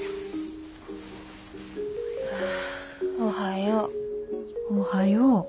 あおはよう。